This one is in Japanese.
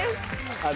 あれ。